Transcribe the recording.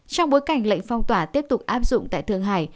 trong bối cảnh lệnh phong tỏa tiếp tục áp dụng tại thượng hải